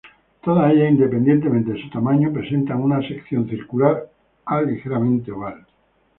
Todas ellas independientemente de su tamaño presentan una sección circular a ligeramente oval.